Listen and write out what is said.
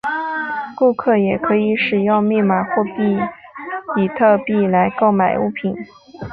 顾客也可以使用密码货币比特币来购买物品。